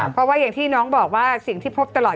เพราะว่าอย่างที่น้องบอกว่าสิ่งที่พบตลอด